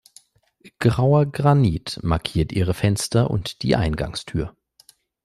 Grauer Granit markiert ihre Fenster und die Eingangstür.